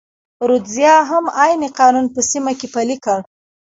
رودزیا هم عین قانون په سیمه کې پلی کړ.